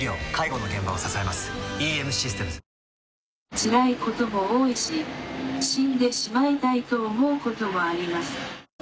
つらいことも多いし死んでしまいたいと思うこともあります。